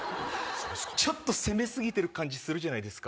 ちょっと攻めすぎてる感じするじゃないですか。